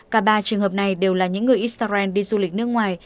cả ba trường hợp này đều là những người israel đi du lịch nước ngoài